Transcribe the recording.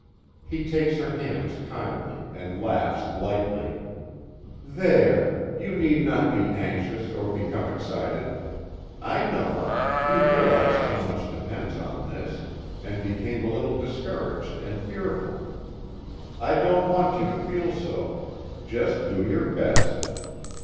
He takes her hands kindly, and laughs lightly: "There! You need not be anxious or become excited. I know; you realized how much depends on this, and became a little discouraged and fearful. I don't want you to feel so; just do your best.